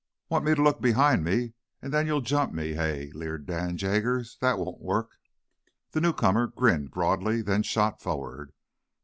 "Want me to look behind me, an' then ye'll jump me, hey?" leered Dan Jaggers. "That won't work." The newcomer grinned broadly, then shot forward.